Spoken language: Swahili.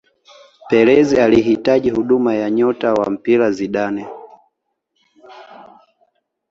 Perez alihitaji huduma ya nyota wa mpira Zidane